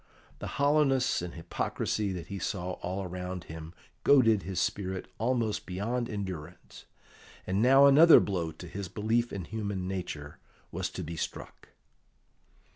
The hollowness and hypocrisy that he saw all around him goaded his spirit almost beyond endurance, and now another blow to his belief in human nature was to be struck.